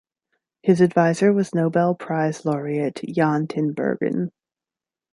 His advisor was Nobel Prize laureate Jan Tinbergen.